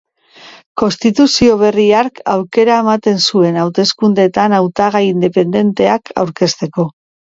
Konstituzio berri hark aukera ematen zuen hauteskundeetan hautagai independenteak aurkezteko.